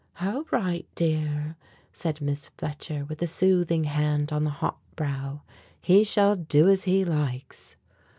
"All right, dear," said Miss Fletcher, with a soothing hand on the hot brow; "he shall do as he likes."